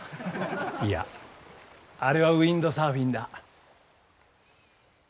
いやあれはウインドサーフィンだ。